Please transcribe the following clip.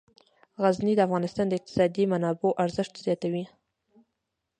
غزني د افغانستان د اقتصادي منابعو ارزښت زیاتوي.